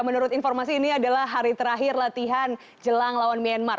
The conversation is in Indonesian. menurut informasi ini adalah hari terakhir latihan jelang lawan myanmar